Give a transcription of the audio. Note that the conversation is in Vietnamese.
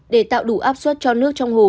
để tạo đủ áp suất cho nước trong hồ